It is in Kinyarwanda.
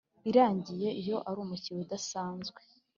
irangiye Iyo ari umukiriya udasanzwe